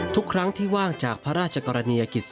ทุกครั้งที่ว่างจากพระราชกรณียกิจ